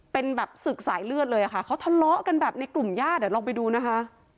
เป็นแบบศึกสายเลือดเลยค่ะเขาทะเลาะกันแบบในกลุ่มญาติเดี๋ยวลองไปดูนะคะ